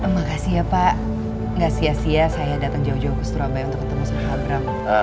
makasih ya pak gak sia sia saya datang jauh jauh ke surabaya untuk ketemu sama bram